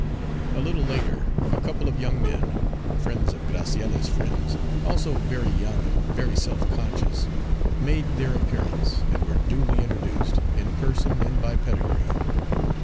A little later a couple of young men, friends of Graciella's friends also very young, and very self conscious made their appearance, and were duly introduced, in person and by pedigree.